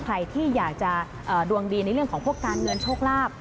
ใครที่อยากจะดวงดีในเรื่องของพวกการเงินโชคลาภ